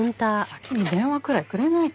先に電話くらいくれないと。